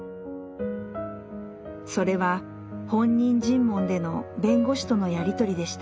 それは本人尋問での弁護士とのやり取りでした。